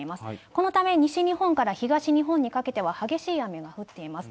このため、西日本から東日本にかけては激しい雨が降っています。